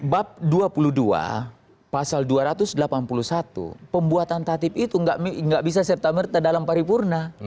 bab dua puluh dua pasal dua ratus delapan puluh satu pembuatan tatip itu nggak bisa serta merta dalam paripurna